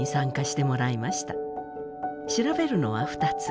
調べるのは２つ。